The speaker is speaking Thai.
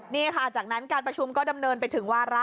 นี่ค่ะจากนั้นการประชุมก็ดำเนินไปถึงวาระ